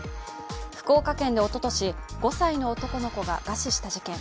福岡県でおととし、５歳の男の子が餓死した事件。